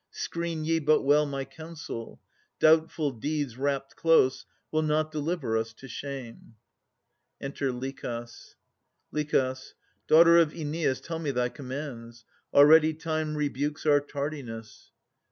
Screen ye but well my counsel. Doubtful deeds, Wrapt close, will not deliver us to shame. Enter LICHAS. LICH. Daughter of Oeneus, tell me thy commands. Already time rebukes our tardiness.